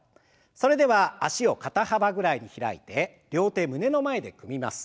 それでは脚を肩幅ぐらいに開いて両手胸の前で組みます。